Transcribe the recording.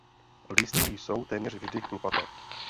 Listy jsou téměř vždy chlupaté.